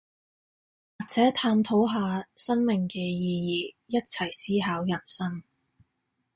或者探討下生命嘅意義，一齊思考人生